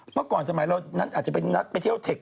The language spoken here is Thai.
เมื่อก่อนสมัยเราอาจจะไปนัดไปเที่ยวค่ะ